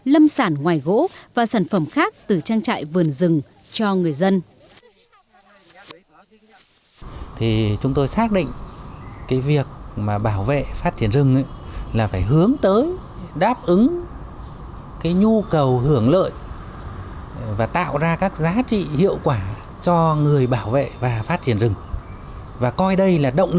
lâm sản ngoài gỗ và sản phẩm khác từ trang trại vườn rừng cho người dân